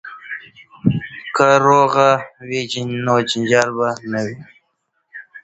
که روغه وي نو جنجال نه وي.